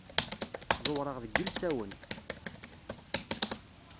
Ẓewreɣ deg yilsawen.